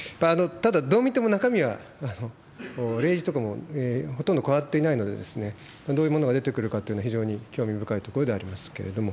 ただ、どう見ても中身は例示とかもほとんど変わっていないので、どういうものが出てくるかというのは、非常に興味深いところでありますけれども。